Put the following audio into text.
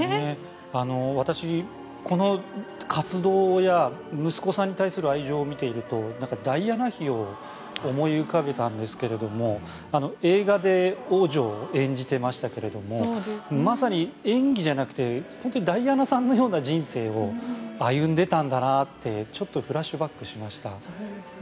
私、この活動や息子さんに対する愛情を見ているとダイアナ妃を思い浮かべたんですけど映画で王女を演じていましたけどもまさに演技じゃなくてダイアナさんのような人生を歩んでたんだなって、ちょっとフラッシュバックしました。